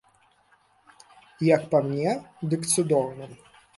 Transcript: Як па мне, дык цудоўна.